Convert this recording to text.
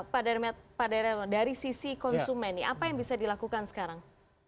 pak dary dari sisi konsumen apa yang bisa dilakukan sekarang